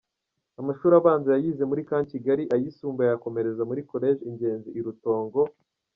Amashuri abanza yayize muri Camp Kigali ayisumbuye ayakomereza muri College Ingenzi i Rutongo.